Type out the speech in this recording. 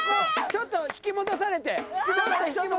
ちょっと引き戻されてそう。